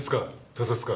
他殺か？